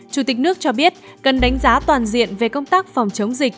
chủ tịch nước cho biết cần đánh giá toàn diện về công tác phòng chống dịch